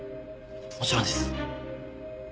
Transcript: もちろんです。